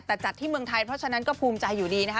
แต่จัดที่เมืองไทยเพราะฉะนั้นก็ภูมิใจอยู่ดีนะคะ